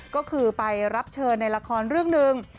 ก็คือไปรับเชิญในละครเรื่องหนึ่ง